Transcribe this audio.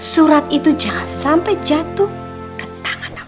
surat itu jangan sampai jatuh ke tangan nawang sih